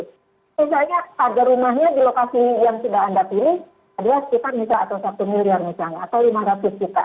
misalnya harga rumahnya di lokasi yang sudah anda pilih adalah sekitar misalnya atau satu miliar misalnya atau lima ratus juta